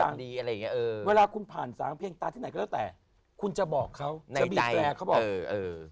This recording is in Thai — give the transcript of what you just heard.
คือเวลาคุณผ่านสารเพียงตาที่ไหนก็แล้วแต่คุณจะบอกเขาจะบีบแต่